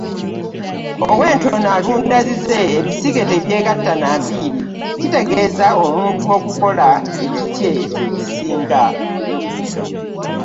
Ow’entono alunda zize ebisige tebyegatta na nviiri kitegeeza omuntu okukola ekikye kye kisinga.